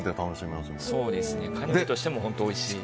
カヌレとしても本当においしい。